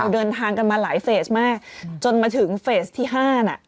เดินทางกันมาหลายเฟสมากจนมาถึงเฟสที่๕น่ะ